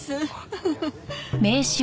フフフ。